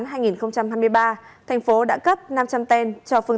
thành phố đã cấp năm trăm linh tên